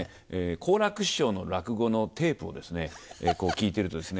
好楽師匠の落語のテープをですね聞いているとですね